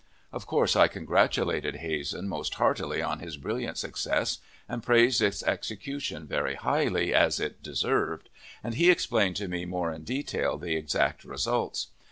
Of course, I congratulated Hazen most heartily on his brilliant success, and praised its execution very highly, as it deserved, and he explained to me more in detail the exact results.